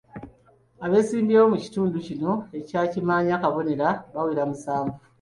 Abeesimbyewo mu kitundu kino ekya Kimaanya- Kabonera, bawera musanvu.